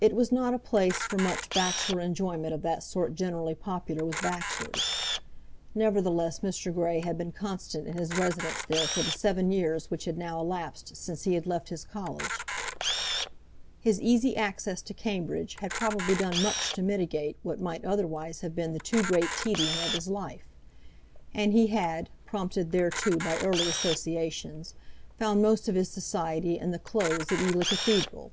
It was not a place for much bachelor enjoyment of that sort generally popular with bachelors; nevertheless Mr. Grey had been constant in his residence there for the seven years which had now elapsed since he had left his college. His easy access to Cambridge had probably done much to mitigate what might otherwise have been the too great tedium of his life; and he had, prompted thereto by early associations, found most of his society in the Close of Ely Cathedral.